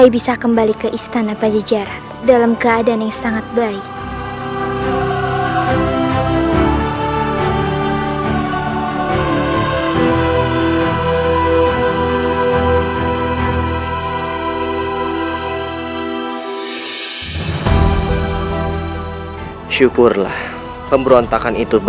ibu nda juga sangat bahagia